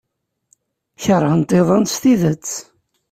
Keṛhent iḍan s tidet.